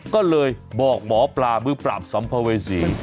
ก็เลยบอกหมอปลามือปราบสัมภเวษี